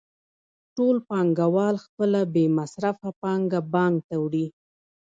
ټول پانګوال خپله بې مصرفه پانګه بانک ته وړي